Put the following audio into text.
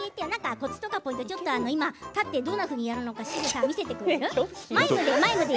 コツとかポイントとかどんなふうにやるのか立って教えてくれる？